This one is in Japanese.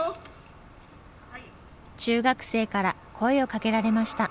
中学生から声をかけられました。